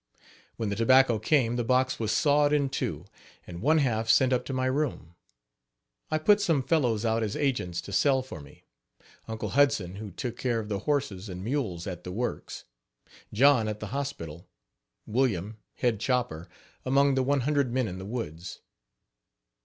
When the tobacco came the box was sawed in two and one half sent up to my room. I put some fellows out as agents to sell for me Uncle Hudson, who took care of the horses and mules at the works; John at the hospital; William, head chopper, among the 100 men in the woods.